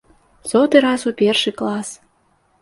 Соты раз у першы клас!